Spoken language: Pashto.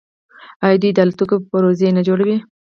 آیا دوی د الوتکو پرزې نه جوړوي؟